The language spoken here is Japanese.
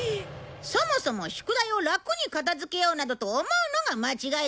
そもそも宿題を楽に片付けようなどと思うのが間違いだぞ！